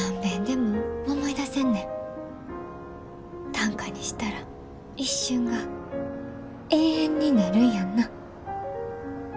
短歌にしたら一瞬が永遠になるんやんな？